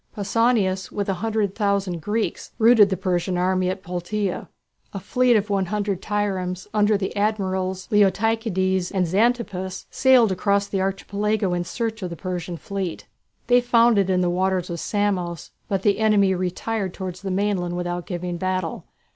Pausanias, with a hundred thousand Greeks, routed the Persian army at Platæa. A fleet of 110 triremes, under the admirals Leotychides and Xantippus, sailed across the Archipelago in search of the Persian fleet. They found it in the waters of Samos, but the enemy retired towards the mainland without giving battle.